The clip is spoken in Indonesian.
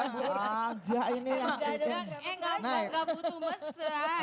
enggak enggak enggak enggak butuh mesra